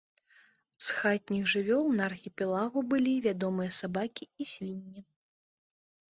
З хатніх жывёл на архіпелагу былі вядомыя сабакі і свінні.